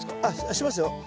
あっしますよ。